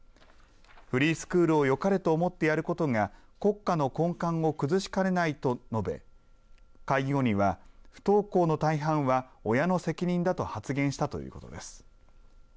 フリースクールをよかれと思ってやることが国家の根幹を崩しかねないと述べ会議後には不登校の大半は、親の責任だと発言したということです。